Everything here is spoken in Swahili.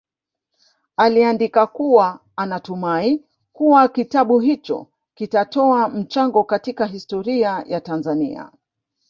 Aliandika kuwa anatumai kuwa kitabu hicho kitatoa mchango katika historia ya Tanzania